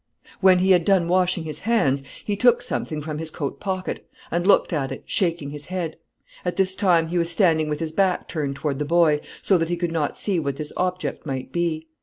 When he had done washing his hands, he took something from his coat pocket, and looked at it, shaking his head; at this time he was standing with his back turned toward the boy, so that he could not see what this object might be.